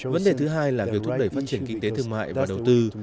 vấn đề thứ hai là việc thúc đẩy phát triển kinh tế thương mại và đầu tư